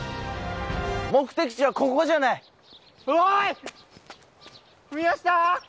目的地はここじゃないおーいミヤシタ？